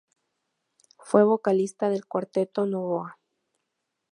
Fue vocalista del cuarteto Novoa.